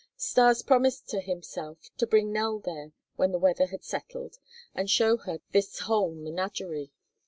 Stas promised to himself to bring Nell there when the weather had settled and show her this whole menagerie.